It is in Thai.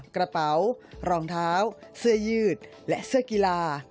กระเป๋ารองเท้าเสื้อยืดและเสื้อกีฬา